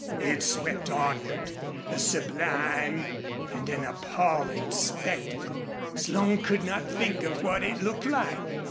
It swept onward, a sublime and an appalling spectacle. Slone could not think of what it looked like.